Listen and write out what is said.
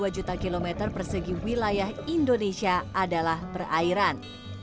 enam tiga puluh dua juta kilometer persegi wilayah indonesia adalah perairan